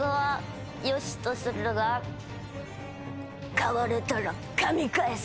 飼われたらかみ返す。